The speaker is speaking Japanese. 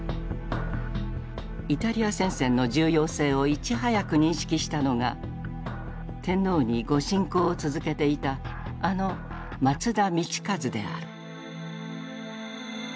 イタリア戦線の重要性をいち早く認識したのが天皇に御進講を続けていたあの松田道一である。